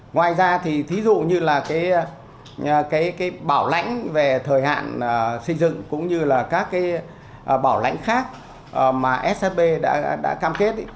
ngoài ra thì thí dụ như là cái bảo lãnh về thời hạn xây dựng cũng như là các bảo lãnh khác mà shb đã cam kết